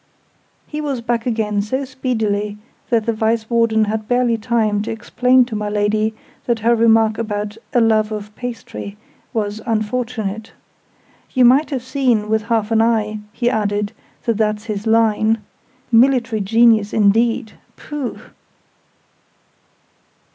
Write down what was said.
He was back again so speedily that the Vice warden had barely time to explain to my Lady that her remark about "a love for pastry" was "unfortunate. You might have seen, with half an eye," he added, "that that's his line. Military genius, indeed! Pooh!"